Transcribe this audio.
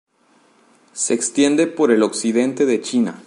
Se extiende por el occidente de China.